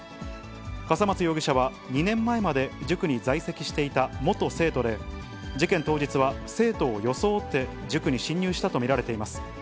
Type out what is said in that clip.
笠松容疑者は２年前まで塾に在籍していた元生徒で、事件当日は生徒を装って塾に侵入したと見られています。